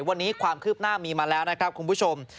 วันนี้ความคืบหน้ามีมาแล้วนะครับคุณผู้ชม